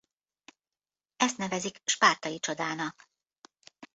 Ezt nevezik spártai csodának.